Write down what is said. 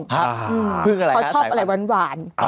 เขาชอบอะไรหวาน